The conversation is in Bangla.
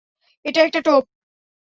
এটা একটা টোপ!